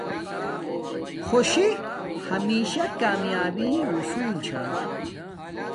خوشی ہمشہ کامیابی آصول ثھا